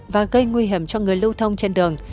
và gây nguy hiểm cho người lưu thông trên đường